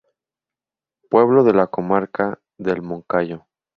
Pueblo de la Comarca del Moncayo.